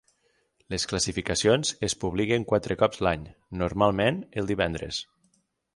Les classificacions es publiquen quatre cops l'any, normalment el divendres.